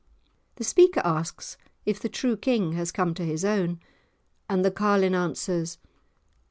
The speaker asks if the true king has come to his own, and the carlin' answers.